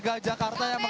selamat tahun baru